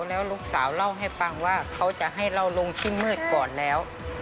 แล้วลูกสาวเล่าให้ฟังว่าเขาจะให้เราลงที่มืดก่อนแล้ว